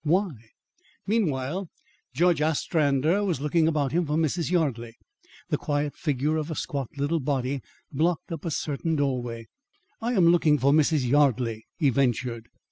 Why? Meanwhile, Judge Ostrander was looking about him for Mrs. Yardley. The quiet figure of a squat little body blocked up a certain doorway. "I am looking for Mrs. Yardley," he ventured.